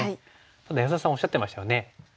ただ安田さんおっしゃってましたよね。